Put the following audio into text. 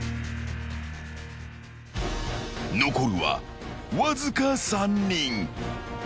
［残るはわずか３人］